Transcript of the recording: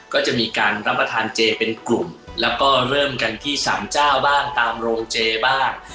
ก็จะมีการรับประทานเจเป็นกลุ่มแล้วก็เริ่มกันที่สามเจ้าบ้างตามโรงเจบ้าง